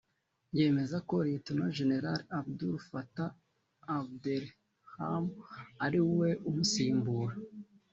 yemeza ko Lt Gen Abdel Fattah Abdelrahman ari we umusimbura